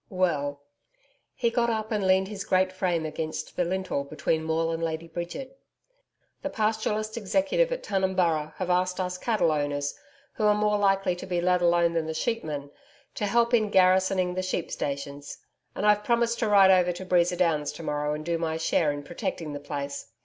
'Well ' He got up and leaned his great frame against the lintel between Maule and Lady Bridget. 'The Pastoralist Executive at Tunumburra have asked us cattle owners who are more likely to be let alone than the sheep men, to help in garrisoning the sheep stations; and I've promised to ride over to Breeza Downs to morrow and do my share in protecting the place.